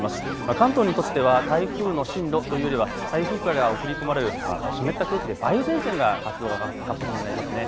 関東にとっては台風の進路というよりは台風から送り込まれる湿った空気で梅雨前線の活動が活発になりますね。